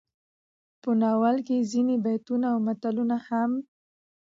په ناول کې ځينې بيتونه او متلونه هم